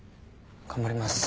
頑張ります。